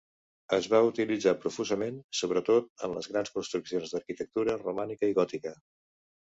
Es va utilitzar profusament, sobretot, en les grans construccions d'arquitectura romànica i gòtica.